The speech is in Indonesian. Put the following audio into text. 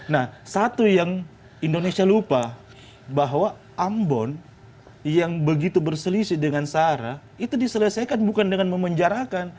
nah satu yang indonesia lupa bahwa ambon yang begitu berselisih dengan sarah itu diselesaikan bukan dengan memenjarakan